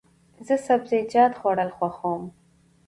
زه سبزیجات خوړل خوښوم.